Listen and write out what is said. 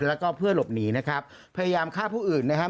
แล้วก็เพื่อหลบหนีนะครับพยายามฆ่าผู้อื่นนะครับ